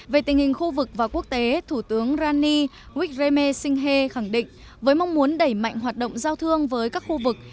về tình hình khu vực và quốc tế thủ tướng rani rikheme singhe khẳng định với mong muốn đẩy mạnh hoạt động giao thương với các khu vực